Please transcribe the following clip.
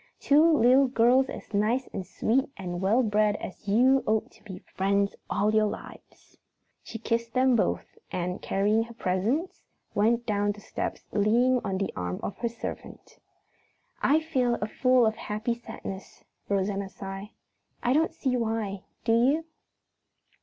Two little girls as nice and sweet and well bred as you ought to be friends all your lives." She kissed them both and, carrying her presents, went down the steps leaning on the arm of her servant. "I feel full of a happy sadness," Rosanna sighed. "I don't see why, do you?"